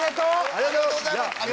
ありがとうございます。